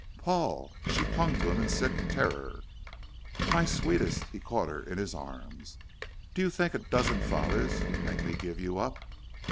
"Paul!" She clung to him in sick terror. "My sweetest" he caught her in his arms "do you think a dozen fathers would make me give you up?